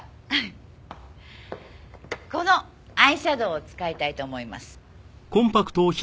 このアイシャドーを使いたいと思います。